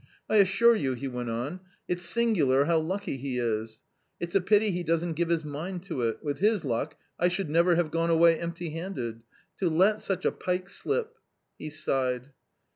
" I assure you," he went on, u it's singular how lucky he is ! It's a pity he doesn't give his mind to it ; with his luck I should never have gone away empty handed. To let such a pike slip !" He sighed.